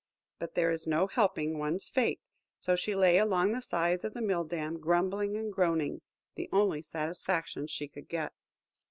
But there is no helping one's fate, so she lay along the sides of the mill dam, grumbling and groaning–the only satisfaction she could get.